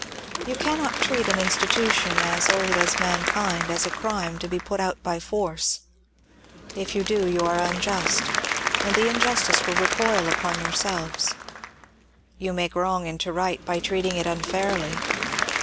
You cannot treat an insti tution as old as mankind as a crime to be put out by force. If you do, you are unjust and the injustice will recoil upon your selves. You make wrong into right by treating it unfairly.